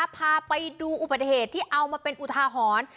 พาไปดูอุบัติเหตุที่เอามาเป็นอุทาหรณ์